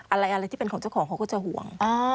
อะไรที่เป็นของเจ้าของเขาก็จะห่วง